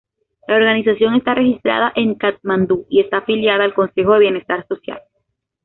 La organización está registrada en Katmandú y está afiliada al consejo de bienestar social.